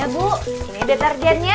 bu ini ada tarjiannya